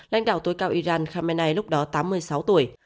lãnh đạo tối cao iran khamenei lúc đó tám mươi sáu tuổi